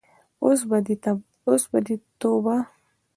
اوس به دې توبه.